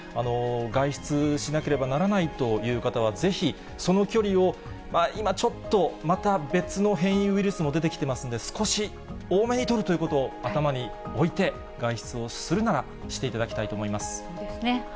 外出しなければならないという方は、ぜひその距離を、今ちょっとまた別の変異ウイルスも出てきてますので、少し多めに取るということを頭に置いて、外出をするならしていただきたいと思います。